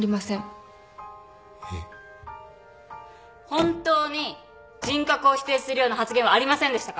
本当に人格を否定するような発言はありませんでしたか？